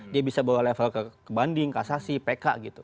dia bisa bawa level ke banding kasasi pk gitu